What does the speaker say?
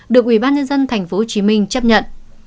được ủy ban nhân dân tp hcm chấp nhận